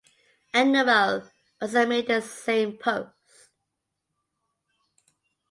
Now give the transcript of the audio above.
Anuel also made the same post.